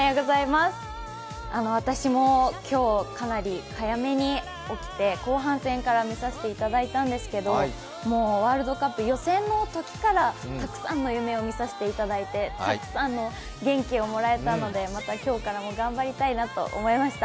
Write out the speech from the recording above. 私も今日、かなり早めに起きて後半戦から見させていただいたんですけれどももうワールドカップ予選のときからたくさんの夢を見させていただいてたくさんの元気をもらえたので、また今日からも頑張りたいなと思いました。